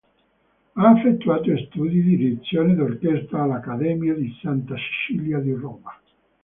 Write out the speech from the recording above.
Ha effettuato studi di direzione d'orchestra all'"Accademia di Santa Cecilia di Roma.